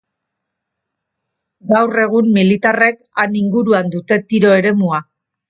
Gaur egun militarrek han inguruan dute tiro eremua.